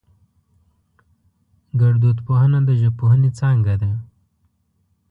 گړدود پوهنه د ژبپوهنې څانگه ده